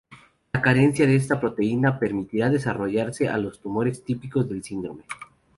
La carencia de esta proteína permitirá desarrollarse a los tumores típicos del síndrome.